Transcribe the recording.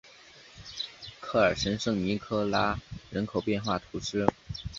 考尔什圣尼科拉人口变化图示